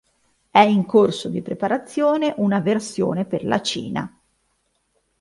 È in corso di preparazione una versione per la Cina.